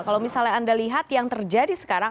kalau misalnya anda lihat yang terjadi sekarang